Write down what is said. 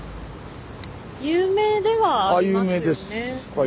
有名ではありますよね。